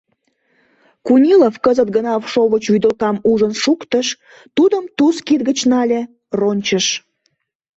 — Кунилов кызыт гына шовыч вӱдылкам ужын шуктыш, тудым Туз кид гыч нале, рончыш.